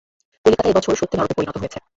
কলিকাতা এ বছর সত্যি নরকে পরিণত হয়েছে।